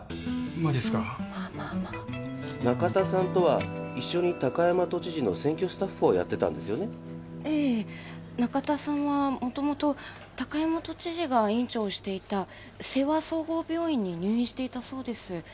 マジっすかまあまあまあ中田さんとは一緒に高山都知事の選挙スタッフをやってたとええ中田さんは元々高山都知事が院長をしていた勢羽総合病院に入院していたそうです